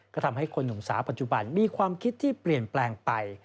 ก็ทำให้คนหนุ่มสาวปัจจุบันมีความคิดที่เปลี่ยนแปลงไป